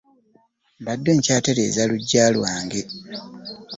Mbadde nkyatereeza luggya lwange.